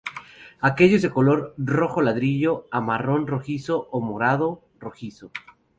Aquenios de color rojo-ladrillo a marrón-rojizo o morado-rojizo.